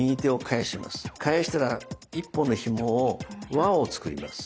返したら１本のひもを輪を作ります。